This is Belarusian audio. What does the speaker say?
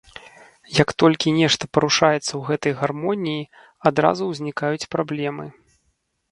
Як толькі нешта парушаецца ў гэтай гармоніі, адразу ўзнікаюць праблемы.